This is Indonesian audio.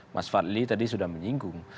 mas fadli tadi sudah menyinggung